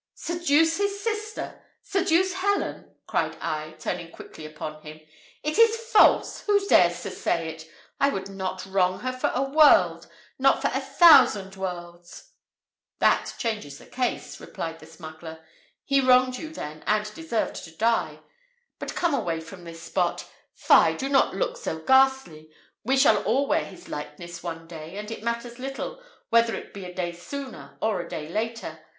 "Seduce his sister! seduce Helen!" cried I, turning quickly upon him. "It is false! Who dares to say it? I would not wrong her for a world not for a thousand worlds!" "That changes the case," replied the smuggler. "He wronged you then, and deserved to die. But come away from this spot. Fie! do not look so ghastly. We shall all wear his likeness one day, and it matters little whether it be a day sooner or a day later.